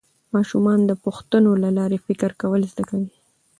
ماشومان د پوښتنو له لارې فکر کول زده کوي